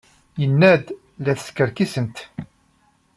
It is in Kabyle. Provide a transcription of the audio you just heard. Yenna-d la teskerkisemt.